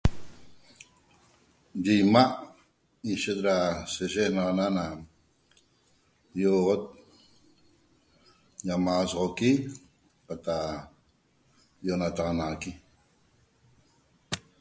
Yi imaa' ishet da shexnaxana ioxot ñamaxasoxoqui cata ienataxanaxaqui